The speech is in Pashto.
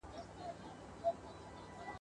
پر ښځه باندي د مکر